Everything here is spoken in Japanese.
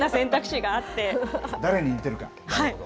誰に似てるか、なるほど。